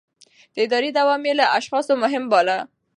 د ادارې دوام يې له اشخاصو مهم باله.